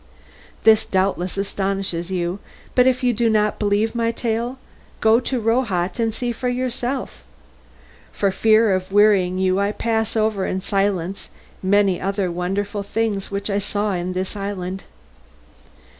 This doubtless astonishes you, but if you do not believe my tale go to Rohat and see for yourself. For fear of wearying you I pass over in silence many other wonderful things which we saw in this island.